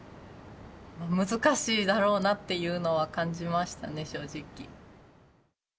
難しいだろうなっていうのは感じましたね、正直。